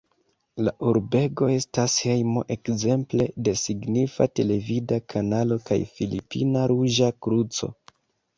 La urbego estas hejmo ekzemple de signifa televida kanalo kaj Filipina Ruĝa Kruco.